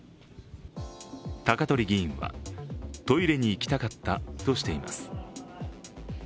高鳥議員はトイレに行きたかったとしています。